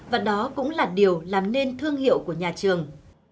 và đó cũng là điều làm nên thương hiệu của nhà trường